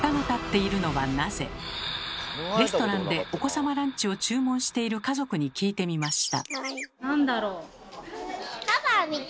レストランでお子様ランチを注文している家族に聞いてみました。